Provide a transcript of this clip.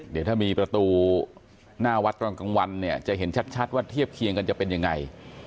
เดี๋ยวถ้ามีประตูหน้าวัดตอนกลางวันเนี่ยจะเห็นชัดว่าเทียบเคียงกันจะเป็นยังไง